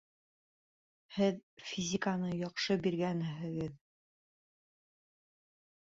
Һеҙ физиканы яҡшы биргәнһегеҙ